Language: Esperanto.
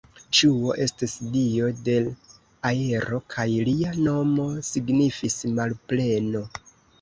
Ŝuo estis dio de aero kaj lia nomo signifis "malpleno".